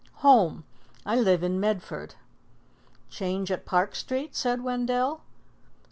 "Home. I live in Medford." "Change at Park Street?" said Wendell.